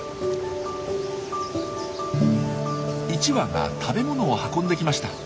１羽が食べ物を運んできました。